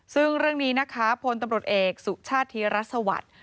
ซึ่งเรื่องนี้นะคะพลตำรวจเอกสุชาติธีรัสสวัสดิ์